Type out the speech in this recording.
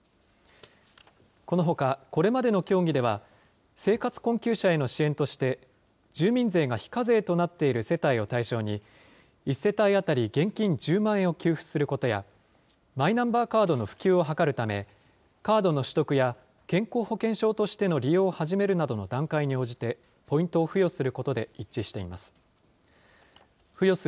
このほか、これまでの協議では、生活困窮者への支援として、住民税が非課税となっている世帯を対象に、１世帯当たり現金１０万円を給付することや、マイナンバーカードの普及を図るため、カードの取得や健康保険証としての利用を始めるなどの段階に応じて、ポイントを付与することで一致しています。